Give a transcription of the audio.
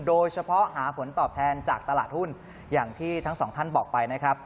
โดยเฉพาะหาผลตอบแทนจากตลาดหุ้นอย่างที่ทั้งสองท่านบอกไปนะครับ